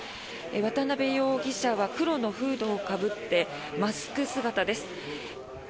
渡邉容疑者は黒のフードをかぶってマスク姿です。